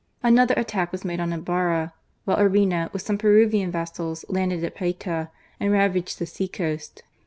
Another attack was made on Ibarra ; while Urbina, with some Peruvian vessels, landed at Payta and ravaged the sea coast.